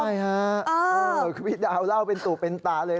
ใช่ค่ะคือพี่ดาวเล่าเป็นตู่เป็นตาเลย